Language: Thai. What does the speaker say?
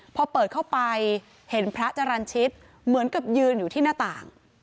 พอเปิดเข้าไปเห็นพระจรรย์ชิตเหมือนกับยืนอยู่ที่หน้าต่าง